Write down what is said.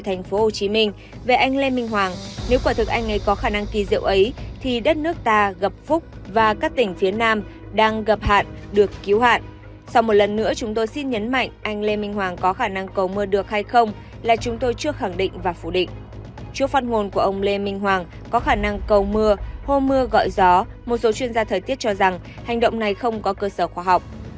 hôm mưa gọi gió một số chuyên gia thời tiết cho rằng hành động này không có cơ sở khoa học